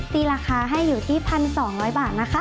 ตีราคาให้อยู่ที่๑๒๐๐บาทนะคะ